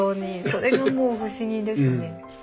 それがもう不思議ですね。